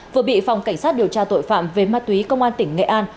vừa bị phòng cảnh sát điều tra tội phạm về ma túy công an tỉnh nghệ an